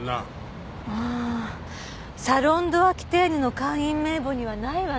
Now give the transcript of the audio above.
ああサロン・ド・アキテーヌの会員名簿にはないわね